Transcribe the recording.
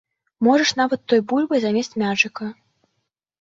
Можаш нават той бульбай замест мячыка.